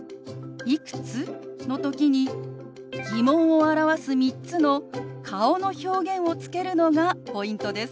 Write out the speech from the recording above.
「いくつ？」の時に疑問を表す３つの顔の表現をつけるのがポイントです。